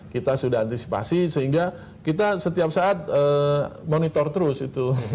kita sudah antisipasi sehingga kita setiap saat monitor terus itu